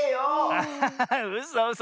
アハハハうそうそ。